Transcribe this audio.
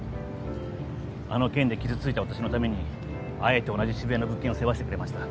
あの件で傷ついた私のためにあえて同じ渋谷の物件を世話してくれました。